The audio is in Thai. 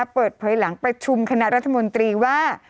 เปิดเผยหลังประชุมคณะรัฐมนตรีว่า